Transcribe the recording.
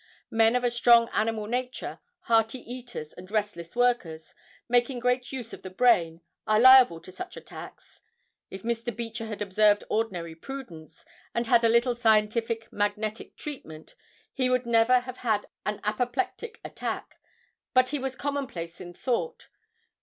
Men of a strong animal nature, hearty eaters, and restless workers, making great use of the brain, are liable to such attacks. If Mr. Beecher had observed ordinary prudence, and had a little scientific magnetic treatment, he would never have had an apoplectic attack; but he was commonplace in thought.